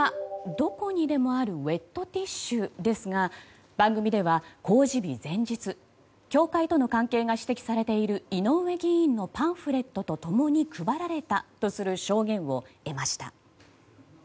どこにでもあるウェットティッシュですが番組では公示日前日教会との関係が指摘されている井上議員のパンフレットと共に配られたという証言を得ました。